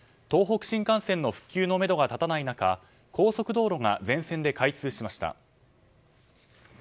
東北新幹線の復旧のめどが立たない中高速道路が全線で開通しました。